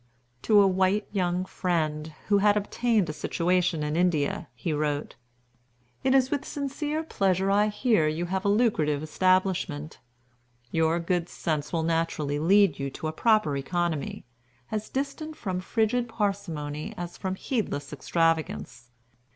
To a white young friend, who had obtained a situation in India, he wrote: "It is with sincere pleasure I hear you have a lucrative establishment. Your good sense will naturally lead you to a proper economy, as distant from frigid parsimony as from heedless extravagance.